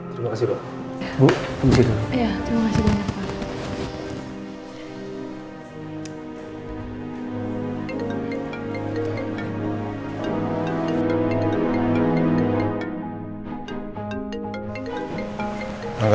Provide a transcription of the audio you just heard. terima kasih pak